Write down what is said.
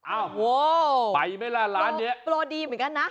โอ้โหไปไหมล่ะร้านนี้กลัวดีเหมือนกันนะ